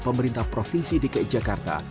pemerintah provinsi dki jakarta